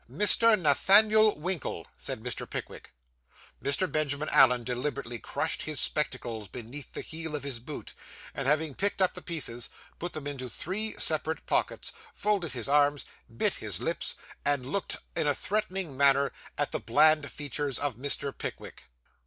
'Mr. Nathaniel Winkle,' said Mr. Pickwick. Mr. Benjamin Allen deliberately crushed his spectacles beneath the heel of his boot, and having picked up the pieces, and put them into three separate pockets, folded his arms, bit his lips, and looked in a threatening manner at the bland features of Mr. Pickwick.